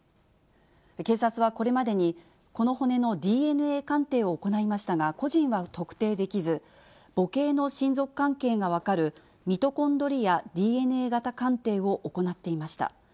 警察はこれまでに、この骨のＤＮＡ鑑定を行いましたが、個人は特定できず、母系の親族関係が分かる、ミトコンドリアＤＮＡ型鑑定を行っていました。